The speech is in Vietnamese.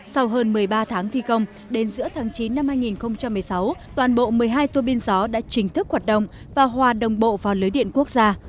sau hơn một mươi ba tháng thi công đến giữa tháng chín năm hai nghìn một mươi sáu toàn bộ một mươi hai tuô bin gió đã chính thức hoạt động và hòa đồng bộ vào lưới điện quốc gia